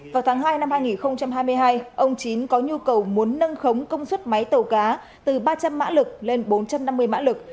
vào tháng hai năm hai nghìn hai mươi hai ông chín có nhu cầu muốn nâng khống công suất máy tàu cá từ ba trăm linh mã lực lên bốn trăm năm mươi mã lực